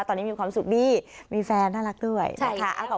ตอนนี้มีความสุขดีมีแฟนน่ารักด้วยนะคะ